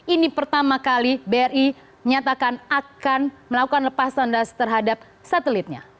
ini pertama kali bri menyatakan akan melakukan lepas landas terhadap satelitnya